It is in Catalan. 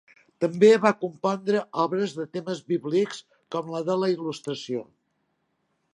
També va compondre obres de temes bíblics, com la de la il·lustració.